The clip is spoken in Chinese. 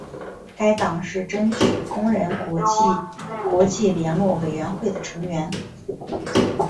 该党是争取工人国际国际联络委员会的成员。